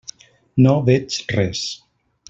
No veig res.